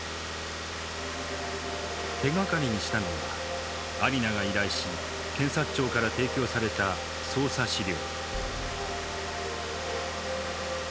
手がかりにしたのはアリナが依頼し検察庁から提供された捜査資料。